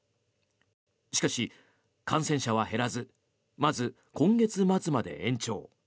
しかし、感染者は減らずまず今月末まで延長。